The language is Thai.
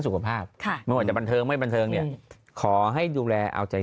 ก็จะเป็นโอกาสที่ทำให้เกิดมีชื่อเสียงมีความสำเร็จที่ดีเข้ามา